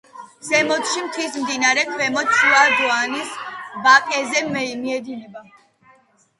ზემოთში მთის მდინარეა, ქვემოთში შუა დუნაის ვაკეზე მიედინება.